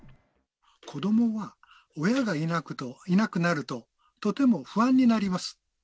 子どもは、親がいなくなるととても不安になります。